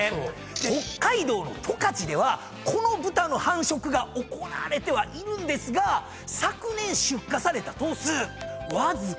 北海道の十勝ではこの豚の繁殖が行われてはいるんですが昨年出荷された頭数わずか１３０頭ほど。